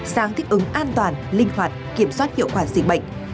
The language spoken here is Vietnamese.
sang thích ứng an toàn linh hoạt kiểm soát hiệu quả dịch bệnh